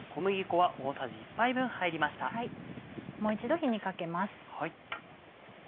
もう一度火にかけます。